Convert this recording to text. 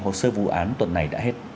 hồ sơ vụ án tuần này đã hết